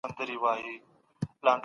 که ځان ارزونه وسي نو کمزوري نه پټېږي.